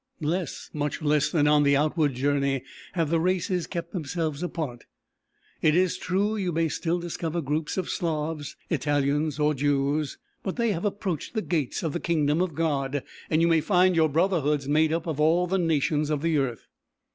Less, much less than on the outward journey have the races kept themselves apart; it is true you may still discover groups of Slavs, Italians or Jews; but they have approached the gates of the Kingdom of God and you may find your brotherhoods made up of all the nations of the earth.